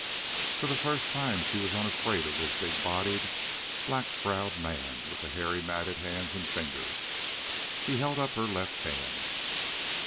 For the first time she was unafraid of this big bodied, black browed man with the hairy matted hands and fingers. She held up her left hand.